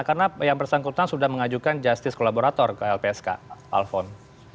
karena yang bersangkutan sudah mengajukan justice collaborator ke lpsk alfon